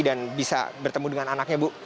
dan bisa bertemu dengan anaknya bu